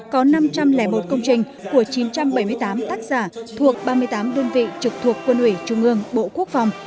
có năm trăm linh một công trình của chín trăm bảy mươi tám tác giả thuộc ba mươi tám đơn vị trực thuộc quân ủy trung ương bộ quốc phòng